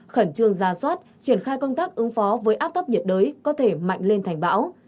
khẩn trương ra soát triển khai công tác ứng phó với áp thấp nhiệt đới có thể mạnh lên thành bão